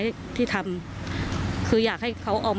เหตุการณ์เกิดขึ้นแถวคลองแปดลำลูกกา